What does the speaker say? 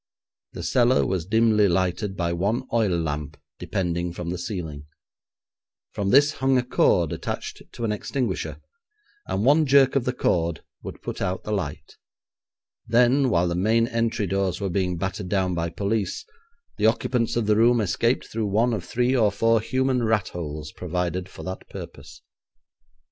The cellar was dimly lighted by one oil lamp depending from the ceiling. From this hung a cord attached to an extinguisher, and one jerk of the cord would put out the light. Then, while the main entry doors were being battered down by police, the occupants of the room escaped through one of three or four human rat holes provided for that purpose.